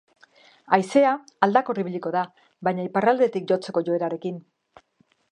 Haizea aldakor ibiliko da, baina iparraldetik jotzeko joerarekin.